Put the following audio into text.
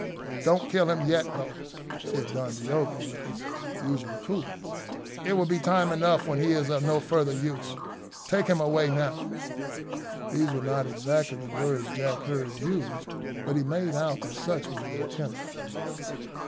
"Don't kill him yet, though," said Don Diogo, with his usual coolness; "it will be time enough when he is of no further use. Take him away now." These were not exactly the words Jack heard used, but he made out that such was their tenor.